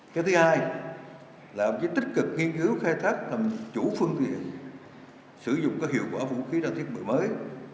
cái thứ hai là với tích cực nghiên cứu khai thác thầm chủ phương tiện sử dụng các hiệu quả vũ khí ra thiết bị mới